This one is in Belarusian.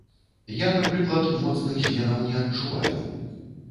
Я, напрыклад, моцных зменаў не адчуваю.